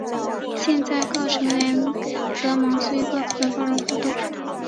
现在各成员则忙于各自的个人活动。